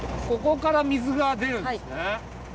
ここから水が出るんですね。